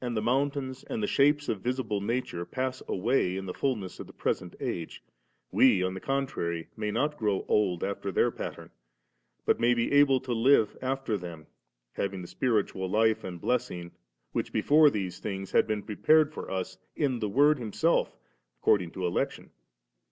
the mountains and the shapes of visible nature pass away in the fulness of the present age, we on the contrary may not grow old after their pattern, but may be able to live after them, having the spiritual life and blessing which before these things have been prepared for us in the Word Himself according to election.